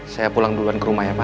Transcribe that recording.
saya pulang duluan ke rumah ya pak